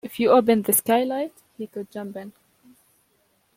If you opened the skylight, he could jump in.